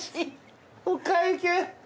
お会計。